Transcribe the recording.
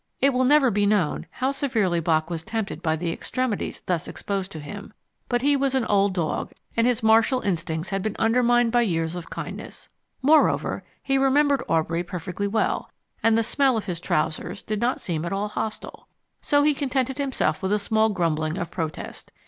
It will never be known how severely Bock was tempted by the extremities thus exposed to him, but he was an old dog and his martial instincts had been undermined by years of kindness. Moreover, he remembered Aubrey perfectly well, and the smell of his trousers did not seem at all hostile. So he contented himself with a small grumbling of protest.